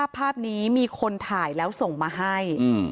ภาพนี้มีคนถ่ายแล้วส่งมาให้